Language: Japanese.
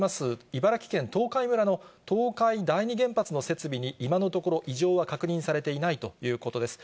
茨城県東海村の東海第二原発の設備に今のところ異常は確認されていないということです。